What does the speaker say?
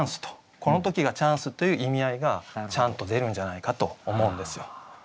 この時がチャンスという意味合いがちゃんと出るんじゃないかと思うんですよ。